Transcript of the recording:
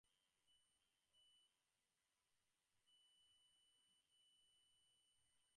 ভালোই ফন্দি এঁটেছো, হাহ?